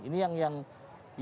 ini yang membedakan